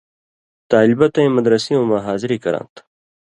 طالیۡبہ تَیں مدرسیُوں مہ حاضری کراں تھہ۔